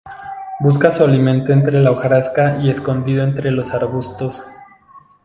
Busca su alimento entre la hojarasca y escondido entre los arbustos.